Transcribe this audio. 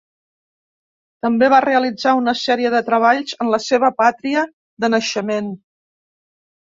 També va realitzar una sèrie de treballs en la seva pàtria de naixement.